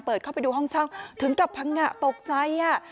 เข้าไปดูห้องเช่าถึงกับพังงะตกใจ